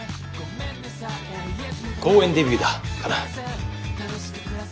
公園デビューだカナ。